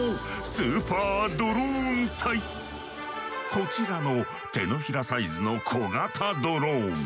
こちらの手のひらサイズの小型ドローン。